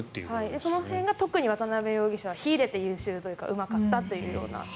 その辺は特に渡邊容疑者は秀でて優秀というかうまかったというような。